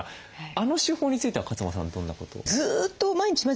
あの手法については勝間さんはどんなことを？